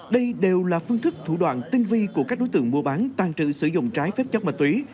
đây đều là phương thức thủ đoạn tinh vi của các đối tượng mua bán tàn trữ sử dụng trái phép chất ma túy